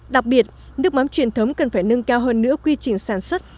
đặc biệt nước mắm truyền thống cần phải nâng cao hơn nữa quy trình sản xuất